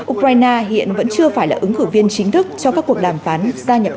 ukraine hiện vẫn chưa phải là ứng cử viên chính thức cho các cuộc đàm phán gia nhập